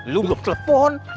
lu belum telepon